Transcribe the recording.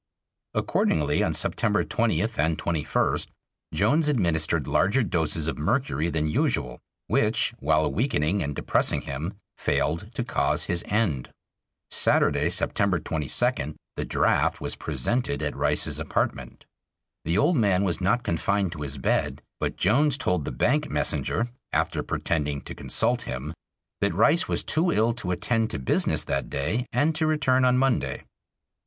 Accordingly, on September 20th and 21st, Jones administered larger doses of mercury than usual, which, while weakening and depressing him, failed to cause his end. Saturday, September 22d, the draft was presented at Rice's apartment. The old man was not confined to his bed, but Jones told the bank messenger, after pretending to consult him, that Rice was too ill to attend to business that day and to return on Monday.